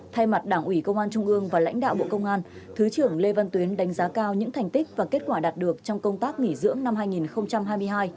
thay mặt đảng ủy công an trung ương và lãnh đạo bộ công an thứ trưởng lê văn tuyến đánh giá cao những thành tích và kết quả đạt được trong công tác nghỉ dưỡng năm hai nghìn hai mươi hai